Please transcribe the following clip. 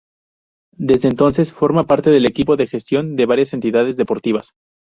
Desde entonces forma parte del equipo de gestión de varias entidades deportivas.